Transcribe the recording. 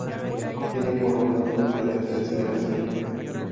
Tiene, por lo tanto, unidades de aceleración.